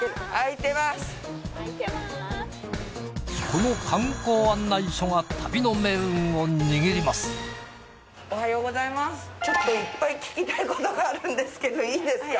この観光案内所がおはようございますちょっといっぱい聞きたいことがあるんですけどいいですか？